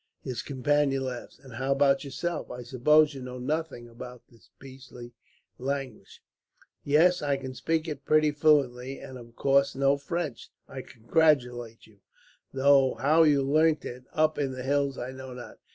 His companion laughed. "And how about yourself? I suppose you know nothing of this beastly language?" "Yes; I can speak it pretty fluently, and of course know French." "I congratulate you, though how you learnt it, up in the hills, I know not.